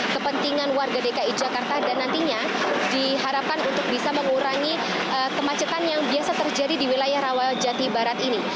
kepentingan warga dki jakarta dan nantinya diharapkan untuk bisa mengurangi kemacetan yang biasa terjadi di wilayah rawajati barat ini